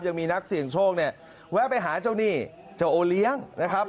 ยังมีนักเสี่ยงโชคเนี่ยแวะไปหาเจ้าหนี้เจ้าโอเลี้ยงนะครับ